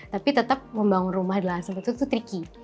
tapi tetap membangun rumah dalam sebuah situ tricky